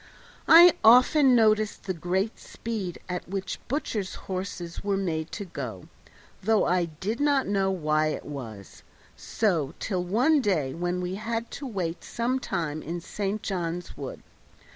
I often noticed the great speed at which butchers' horses were made to go, though I did not know why it was so till one day when we had to wait some time in St. John's Wood.